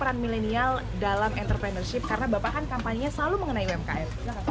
peran milenial dalam entrepreneurship karena bapak kan kampanye selalu mengenai umkm